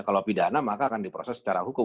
kalau pidana maka akan diproses secara hukum